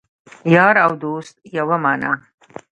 یار او دوست یوه معنی